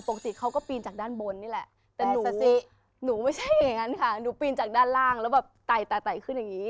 ปกติเขาก็ปีนจากด้านบนนี่แหละแต่หนูไม่ใช่อย่างนั้นค่ะหนูปีนจากด้านล่างแล้วแบบไต่ขึ้นอย่างนี้